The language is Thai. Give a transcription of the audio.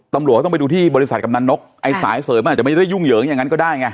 ตำรวจก็ต้องไปดูที่บริษัทกำนันนกไอ้สายเสริมมันอาจจะไม่ได้ยุ่งเหยิงอย่างนั้นก็ได้ไง